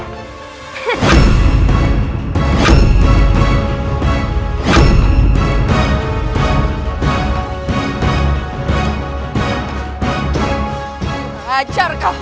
berani menjawab dua duanya